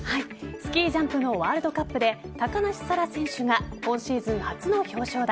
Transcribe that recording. スキージャンプのワールドカップで高梨沙羅選手が今シーズン初の表彰台。